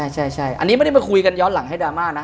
ใช่อันนี้ไม่ได้มาคุยกันย้อนหลังให้ดราม่านะ